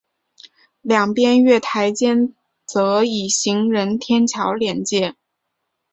两边月台间则以行人天桥连接。